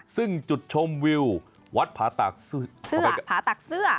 ซึ่งจุดชมวิววัดผาตากเสื้อ